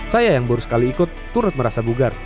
saya yang baru sekali ikut turut merasa bugar